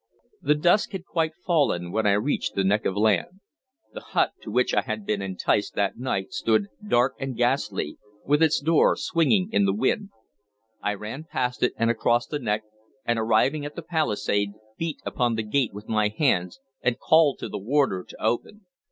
The dusk had quite fallen when I reached the neck of land. The hut to which I had been enticed that night stood dark and ghastly, with its door swinging in the wind. I ran past it and across the neck, and, arriving at the palisade, beat upon the gate with my hands, and called to the warder to open.